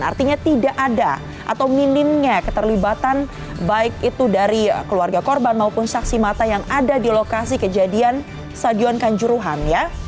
artinya tidak ada atau minimnya keterlibatan baik itu dari keluarga korban maupun saksi mata yang ada di lokasi kejadian stadion kanjuruhan ya